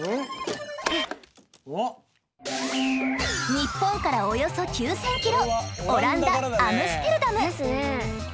ニッポンからおよそ９，０００ｋｍオランダアムステルダム。